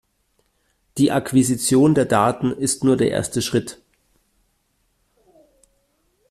Die Akquisition der Daten ist nur der erste Schritt.